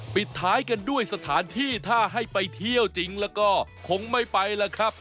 ปิดท้ายกันด้วยสถานที่ถ้าให้ไปเที่ยวจริงแล้วก็คงไม่ไปแล้วครับ